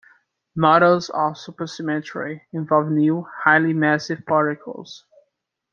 Models of supersymmetry involve new, highly massive particles.